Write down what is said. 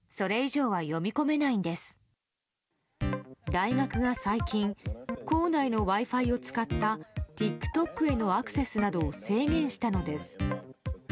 大学が最近構内のＷｉ‐Ｆｉを使ったＴｉｋＴｏｋへのアクセスなどを制限したのです。